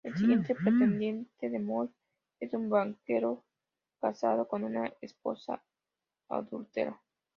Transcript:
El siguiente pretendiente de Moll es un banquero casado con una esposa adúltera.